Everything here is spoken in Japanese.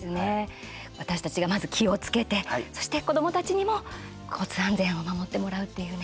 私たちが、まず気をつけてそして子どもたちにも交通安全を守ってもらうっていうね。